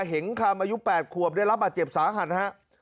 เห็งคำอายุ๘ขวบได้รับบาดเจ็บสาหัสฮะ